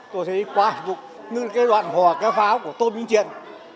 tôi thấy quá vụng như cái đoạn hòa cái pháo của tôm những chuyện